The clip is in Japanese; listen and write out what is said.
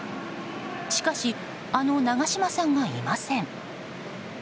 しかし、あの長嶋さんがいません。